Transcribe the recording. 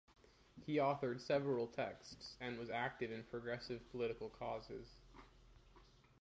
He authored several texts and was active in progressive political causes.